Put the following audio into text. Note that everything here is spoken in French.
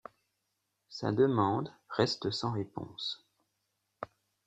Sa demande reste sans réponse.